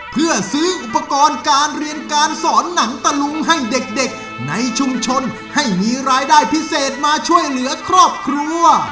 เพื่อซื้ออุปกรณ์การเรียนการสอนหนังตะลุงให้เด็กในชุมชนให้มีรายได้พิเศษมาช่วยเหลือครอบครัว